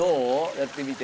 やってみて。